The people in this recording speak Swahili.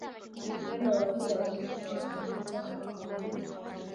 Ngombe wasioathirika wanapogusana na wagonjwa